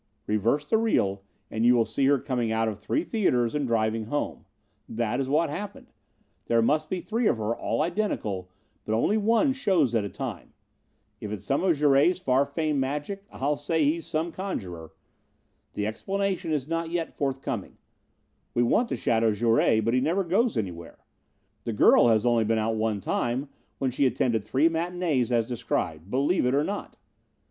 "Reverse the reel and you will see her coming out of three theaters and driving home. That is what happened. There must be three of her, all identical, but only one shows at a time. If it's some of Jouret's far famed magic, I'll say he's some conjurer. The explanation is not yet forthcoming. We want to shadow Jouret, but he never goes anywhere. The girl has only been out the one time when she attended three matinees as described. Believe it or not.